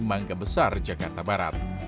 mangga besar jakarta barat